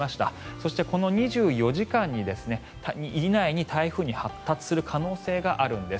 そしてこの２４時間以内に台風に発達する可能性があるんです。